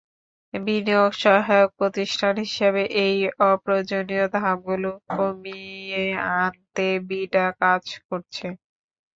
বিনিয়োগ সহায়ক প্রতিষ্ঠান হিসেবে এই অপ্রয়োজনীয় ধাপগুলো কমিয়ে আনতে বিডা কাজ করছে।